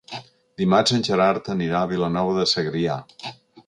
Dimarts en Gerard anirà a Vilanova de Segrià.